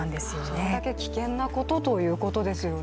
それだけ危険なことということですよね。